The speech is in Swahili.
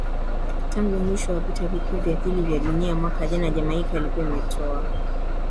tangu mwisho wa vita vikuu vya pili vya Dunia Mwaka jana Jamaica ilikuwa imetoa